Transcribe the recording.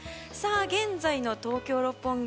現在の東京・六本木